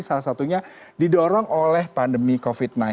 salah satunya didorong oleh pandemi covid sembilan belas